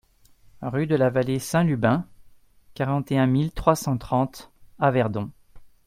Rue de la Vallée Saint-Lubin, quarante et un mille trois cent trente Averdon